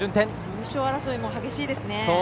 優勝争いも激しいですね。